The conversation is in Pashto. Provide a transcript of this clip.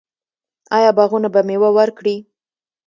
آیا باغونه به میوه ورکړي؟